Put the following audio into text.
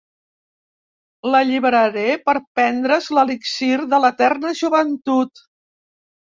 L'alliberaré de prendre's l'elixir de l'eterna joventut.